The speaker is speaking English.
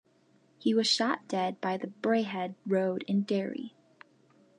He was shot dead by the Braehead Road in Derry.